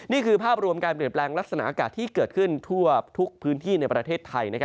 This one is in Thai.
นี่คือภาพรวมการเปลี่ยนแปลงลักษณะอากาศที่เกิดขึ้นทั่วทุกพื้นที่ในประเทศไทย